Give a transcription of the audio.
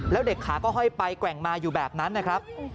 แล้วเด็กขาก็ห้อยไปแกว่งมาอยู่แบบนั้นนะครับ